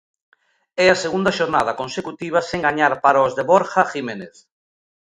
É a segunda xornada consecutiva sen gañar para os de Borja Jiménez.